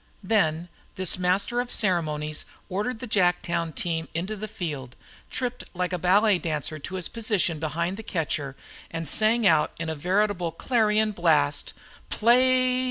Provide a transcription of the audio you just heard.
Then this master of ceremonies ordered the Jacktown team into the field, tripped like a ballet dancer to his position behind the catcher, and sang out in a veritable clarion blast: "P l a e y B a w l!"